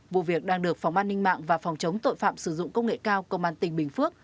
vụ việc đang được phòng an ninh mạng và phòng chống tội phạm sử dụng công nghệ cao công an tỉnh bình phước